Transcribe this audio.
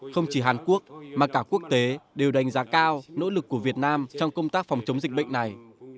không chỉ hàn quốc mà cả quốc tế đều đánh giá cao nỗ lực của việt nam trong công tác phòng chống dịch bệnh này